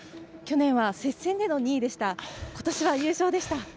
去年は接戦での２位でした今年は優勝でした。